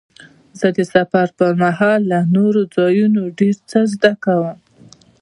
زه د سفر پر مهال له نوو ځایونو ډېر څه زده کوم.